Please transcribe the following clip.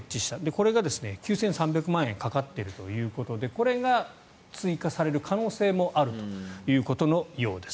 これが９３００万円かかっているということでこれが追加される可能性もあるということのようです。